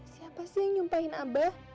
siapa sih yang nyumpahin abah